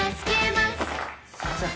すいません。